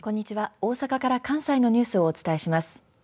大阪から関西のニュースをお伝えします。